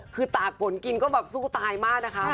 คือตากฝนกินก็แบบสู้ตายมากนะคะ